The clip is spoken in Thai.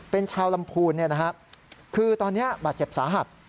เป็นชาวลำพูนคือตอนนี้บาดเจ็บสาหัส